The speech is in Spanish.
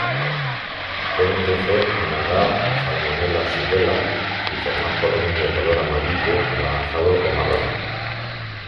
Pueden crecer en agar Salmonella-Shigella y formar colonias de color amarillo anaranjado o marrón.